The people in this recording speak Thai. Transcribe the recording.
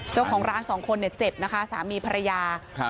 เจ้าของร้านสองคนเนี่ยเจ็บนะคะสามีภรรยาครับ